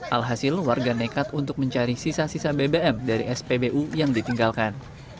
alhasil warga nekat untuk mencari sisa sisa bbm dari spbu yang ditinggalkan